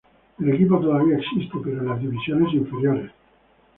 El equipo todavía existe, pero en las divisiones inferiores.